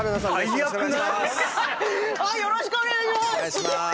早くない⁉よろしくお願いします！